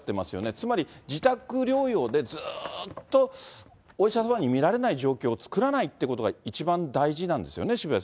つまり自宅療養で、ずっとお医者様に診られない状況を作らないということが一番大事